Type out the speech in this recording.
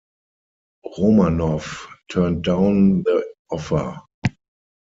Romanoff turned down the offer.